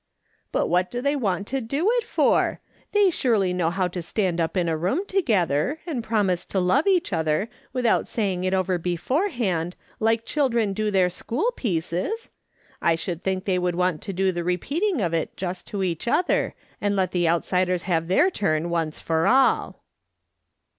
" But what do they want to do it for ? They surely know how to stand up in a room together, and promise to love each other, without saying it over beforehand, like children do their school pieces 1 I should think they would want to do the repeating of it just to each other, and let the outsiders have their turn once for all."